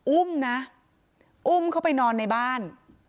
อุ้มนะอุ้มเข้าไปนอนในบ้าน